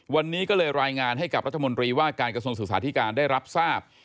วันนี้ก็เลยรายงานให้กับรัฐมนตรีว่าการกระทรวงศึกษาธิการได้รับทราบ